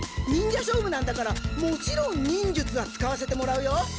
忍者勝負なんだからもちろん忍術は使わせてもらうよ。